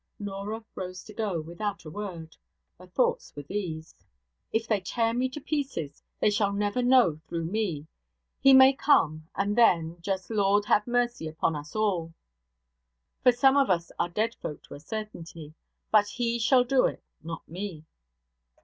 Norah rose to go, without a word. Her thoughts were these: 'If they tear me to pieces, they shall never know through me. He may come and then, just Lord have mercy upon us all! for some of us are dead folk to a certainty. But he shall do it; not me.'